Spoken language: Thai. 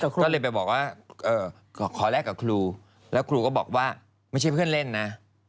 ก็เลยไปบอกว่าขอแลกกับครูแล้วครูก็บอกว่าไม่ใช่เพื่อนเล่นนะ